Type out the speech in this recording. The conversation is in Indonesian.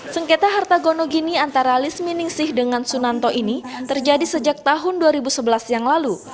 sengketa harta gonogini antara lis miningsih dengan sunanto ini terjadi sejak tahun dua ribu sebelas yang lalu